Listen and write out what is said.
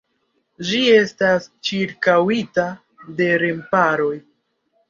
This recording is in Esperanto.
Ĝi estas ĉirkaŭita de remparoj.